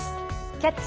「キャッチ！